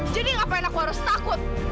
jadi ngapain aku harus takut